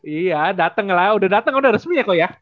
iya dateng lah udah dateng udah resmi ya kok ya